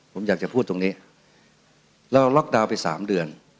ผมอยากจะพูดตรงนี้เราล็อกดาวน์ไป๓เดือน